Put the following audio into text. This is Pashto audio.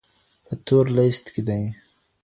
په تور ليست کي دي.